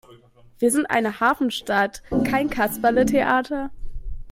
Wir sind eine Hafenstadt, kein Kasperletheater!